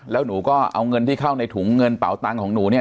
แล้วหนูก็เอาเงินที่เข้าในถุงเงินเป่าตังค์ของหนูเนี่ย